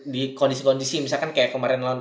di kondisi kondisi misalkan kayak kemarin lawan prawera itu